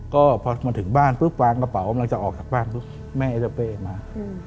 ก็พอมาถึงบ้านปุ๊บหวานกระเป๋าตึกออกจากบ้านก็แม่เจ้าเป้มา